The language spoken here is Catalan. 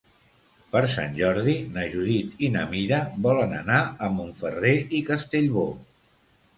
Per Sant Jordi na Judit i na Mira volen anar a Montferrer i Castellbò.